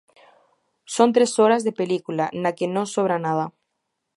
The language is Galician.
Son tres horas de película na que non sobra nada.